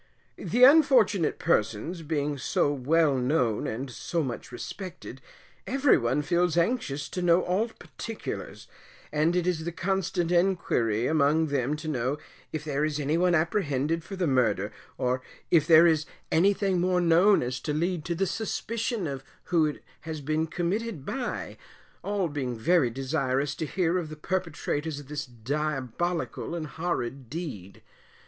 The unfortunate persons being so well known and so much respected, every one feels anxious to know all particulars, and it is the constant enquiry amongst them to know if there is any one apprehended for the murder, or if there is anything more known as to lead to the suspicion who it has been committed by, all being very desirous to hear of the perpetrators of this diabolical and horrid deed.